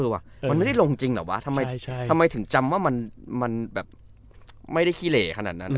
มันไม่ได้ลงจริงเหรอวะทำไมถึงจำว่ามันแบบไม่ได้ขี้เหล่ขนาดนั้น